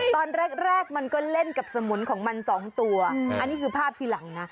ตอนแรกแรกมันก็เล่นกับสมุนของมันสองตัวอันนี้คือภาพทีหลังนะ